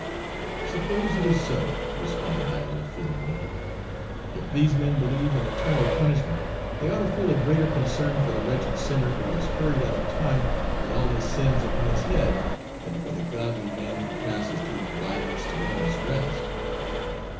"Suppose it is so," responded Iola, feelingly. "If these men believe in eternal punishment they ought to feel a greater concern for the wretched sinner who is hurried out of time with all his sins upon his head, than for the godly man who passes through violence to endless rest."